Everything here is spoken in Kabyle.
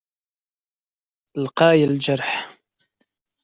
Lqay lǧerḥ.